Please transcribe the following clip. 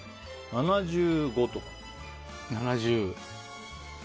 ７５とか？